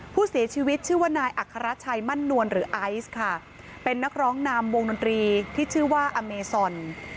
ผู้เสียชีวิตชื่อว่านายอัครชัยมั่นนวลหรือไอซ์ค่ะเป็นนักร้องนำวงดนตรีที่ชื่อว่าอเมซอน